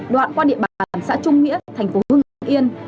đoạn qua địa bàn xã trung nghĩa thành phố hưng yên